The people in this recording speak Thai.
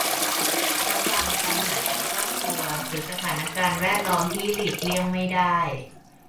ระวังปัญหาจากครอบครัวหรือสถานการณ์แวดล้อมที่หลีกเลี่ยงไม่ได้